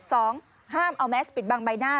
สองห้ามเอาแม็กซ์ปิดบางใบหน้า